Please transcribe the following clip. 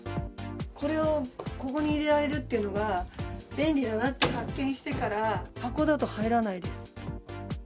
これをここに入れられるっていうのが、便利だなって発見してから、箱だと入らないです。